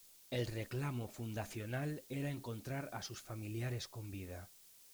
El reclamo fundacional era encontrar a sus familiares con vida.